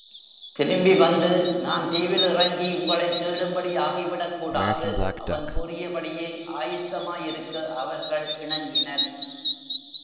திரும்பி வந்து நான் தீவில் இறங்கி உங்களைத் தேடும்படி ஆகிவிடக் கூடாது. அவன் கூறியபடியே ஆயத்தமாயிருக்க அவர்கள் இணங்கினர்.